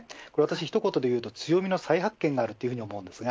一言で言うと強みの再発見があるというふうに思います。